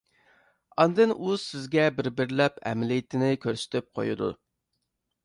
ئاندىن ئۇ سىزگە بىر-بىرلەپ ئەمەلىيىتىنى كۆرسىتىپ قويىدۇ.